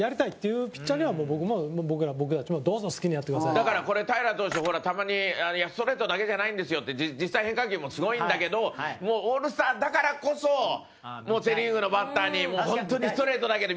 だから、これ平良投手、たまにストレートだけじゃないんですよって実際、変化球もすごいんだけどもうオールスターだからこそセ・リーグのバッターに本当にストレートだけで。